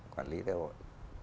quản lý lễ hội